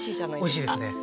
おいしいですね。